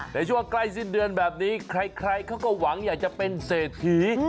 ในช่วงใกล้สิ้นเดือนแบบนี้ใครเขาก็หวังอยากจะเป็นเศรษฐี